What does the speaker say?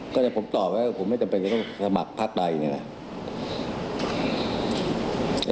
ก็ผมตอบว่าผมไม่จำเป็นจะต้องสมัครพักใดเนี่ยนะ